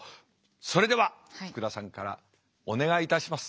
それでは福田さんからお願いいたします。